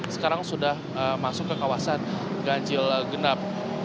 sekarang sudah masuk ke kawasan ganjigenap